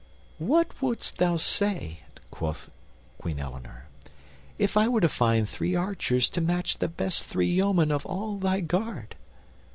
"But what wouldst thou say," quoth Queen Eleanor, "if I were to find three archers to match the best three yeomen of all thy guard?"